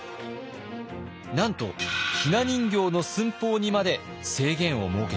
なんとひな人形の寸法にまで制限を設けています。